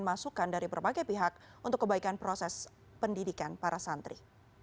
masukan dari berbagai pihak untuk kebaikan proses pendidikan para santri